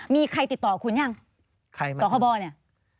มีใครติดต่อคุณยังสคบเนี่ย